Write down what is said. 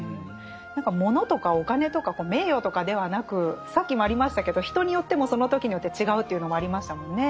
物とかお金とか名誉とかではなくさっきもありましたけど人によってもその時によって違うというのもありましたもんね。